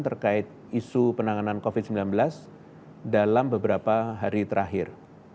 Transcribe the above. terkait isu penanganan covid sembilan belas dalam beberapa hari terakhir